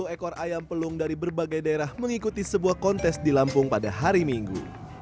dua puluh ekor ayam pelung dari berbagai daerah mengikuti sebuah kontes di lampung pada hari minggu